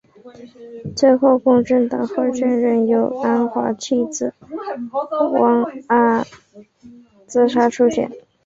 最后公正党候选人由安华妻子旺阿兹莎出选。